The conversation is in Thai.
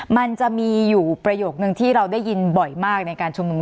มันจะมีอยู่ประโยคนึงที่เราได้ยินบ่อยมากในการชุมนุม